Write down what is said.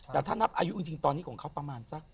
แต่ถ้านับอายุจริงตอนนี้ของเขาประมาณสัก